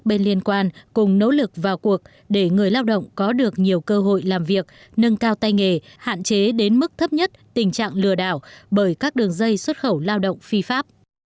các bên liên quan cùng nỗ lực vào cuộc để người lao động có được nhiều cơ hội làm việc nâng cao tay nghề hạn chế đến mức thấp nhất tình trạng lừa đảo bởi các đường dây xuất khẩu lao động phi pháp